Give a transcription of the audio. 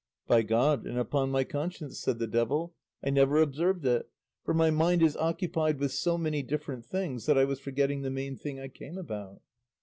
"By God and upon my conscience," said the devil, "I never observed it, for my mind is occupied with so many different things that I was forgetting the main thing I came about."